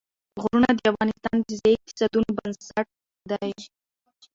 غرونه د افغانستان د ځایي اقتصادونو بنسټ دی.